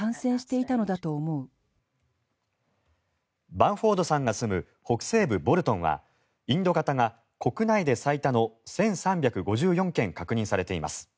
バンフォードさんが住む北西部ボルトンはインド型が国内で最多の１３５４件確認されています。